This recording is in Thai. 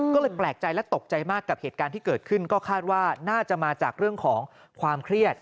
ก็เลยแปลกใจและตกใจมากกับเหตุการณ์ที่เกิดขึ้นก็คาดว่าน่าจะมาจากเรื่องของความเครียด